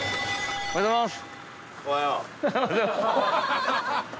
おはようございます。